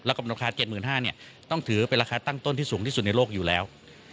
แล้วก็ราคา๗๕๐๐บาทต้องถือเป็นราคาตั้งต้นที่สูงที่สุดในโลกอยู่แล้ว